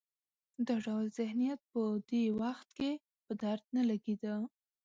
دا ډول ذهنیت په دې وخت کې په درد نه لګېده.